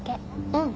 うん。